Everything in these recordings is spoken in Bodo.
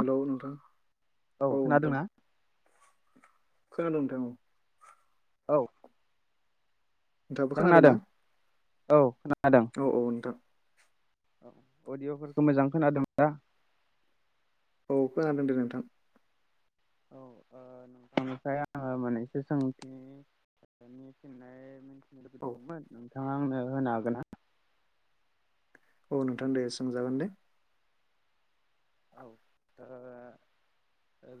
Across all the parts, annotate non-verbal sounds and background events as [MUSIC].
हेल' नोंथां औ नोंथां खोनादों नोंथां औ औ नोंथाङाबो खोनादों ना? औ खोनादों औ औ नोंथां औ अडिअ'फोरखौ मोजां खोनादों ना औ खोनादों दे नोंथां औ नोंथांनिफ्राय आङो माने एसे सोंथि नि सननाय मिथिनो लुबै औ दंमोन नोंथाङा आंनो होनो हागोन ना? औ नोंथां दे सोंजागोन दे औ ओ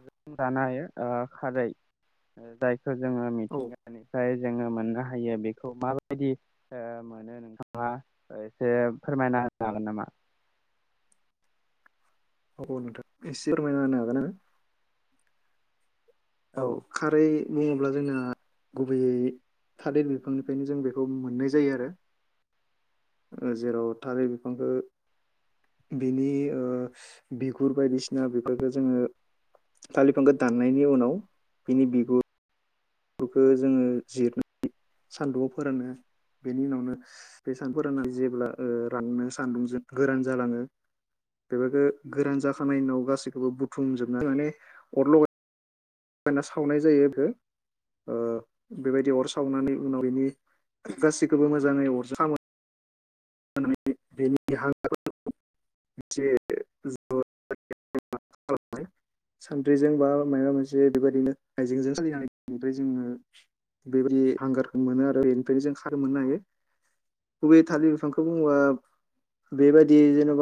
जों दानो हायो खारै जायखौ जोङो औ मिथिंगानिफ्राय जों मोननो हायो बेखौ माबायदि मोनो नोंथाङा एसे फोरमायना होनो हागोन नामा? औ नोंथां एसे फोरमायना होनो हागोन आरो औ खारै बुङोब्ला जोंना गुबैयै थालिर बिफांनिफ्रायनो जों बेखौ मोननाय जायो आरो जेराव थालिर बिफांखौ बिनि ओ बिगुर बायदिसिना बेफोरखौ जोङो खालिर बिफांखौ दाननायनि उनाव औ बिनि बिगुर खौ औ जोङो जिरनाय सान्दुंआव फोरानो बेनि उनावनो बे सानफोराननानै जेब्ला राननो सान्दुंजों गोरान जालाङो बेफोरखौ गोरान जाखानाय उनाव गासैखौबो बुथुमजोबनो माने अर ल' गायना सावनाय जायो बेखौ ओ बेबायदि अर सावनानै उनाव बिनि गासिखौबो मोजाङै अरजों खामो बेनि ज ज [UNINTELLIGIBLE] ज [INAUDIBLE] सानद्रिजों बा माइबा मोनसे बेबायदिनो आइजेंजों सोलिनानयनिफ्राय जोङो बेदि हांगारखौ मोनो आरो बेनिफ्रायनो जों खारै मोननो हायो बे थालिर बिफांखौ बेखौ बुङो बेबायदि जेनेबा